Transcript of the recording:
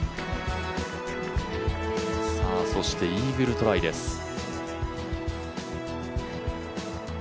そしてイーグルトライです。